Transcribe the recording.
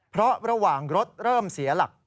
เพราะระหว่างรถเริ่มเสียหลัก